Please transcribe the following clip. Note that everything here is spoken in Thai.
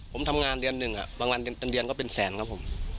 ผมทำงานเดือนหนึ่งอ่ะบางราคาเดือนก็เป็นแสนครับผม